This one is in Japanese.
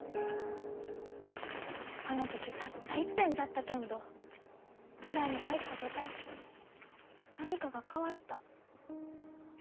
あの時たったいっぺんじゃったけんど蔵に入った途端何かが変わった。